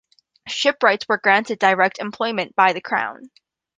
Shipwrights were granted direct employment by the Crown.